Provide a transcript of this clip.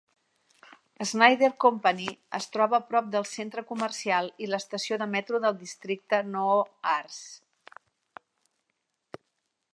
Snyder Company es troba prop del centre comercial i l'estació de metro del districte NoHo Arts.